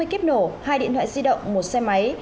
một trăm hai mươi kíp nổ hai điện thoại di động một xe máy